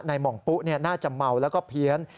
หม่องปุ๊น่าจะเมาแล้วก็เพี้ยน